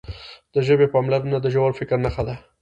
د ژبې پاملرنه د ژور فکر نښه ده.